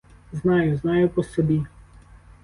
Знаю, знаю по собі.